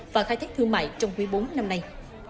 và khai thác thương mại trong quý bốn năm nay